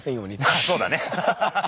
あっそうだね。